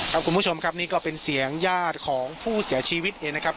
คุณผู้ชมครับนี่ก็เป็นเสียงญาติของผู้เสียชีวิตเองนะครับ